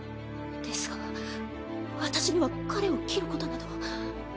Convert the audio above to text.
ですが私には彼を斬ることなど。